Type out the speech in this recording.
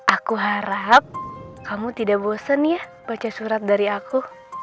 aku harap kamu tidak bosen ya baca surat dari aku